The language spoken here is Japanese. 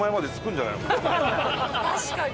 確かに！